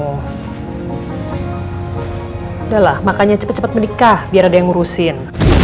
udahlah makanya cepet cepet menikah biar ada yang ngurusin